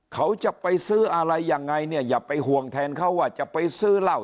เขาจะไปซื้ออะไรยังไงเนี่ยอย่าไปห่วงแทนเขาว่าจะไปซื้อเหล้า